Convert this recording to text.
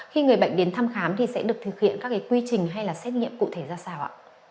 khi người bệnh đến thăm khám thì sẽ được thực hiện các quy trình hay là xét nghiệm cụ thể ra sao ạ